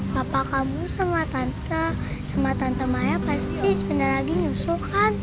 bapak kamu sama tante sama tante maya pasti sebentar lagi nyusul kan